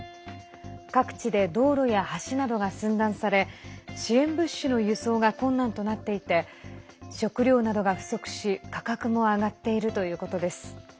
各地で道路や橋などが寸断され支援物資の輸送が困難となっていて食料などが不足し、価格も上がっているということです。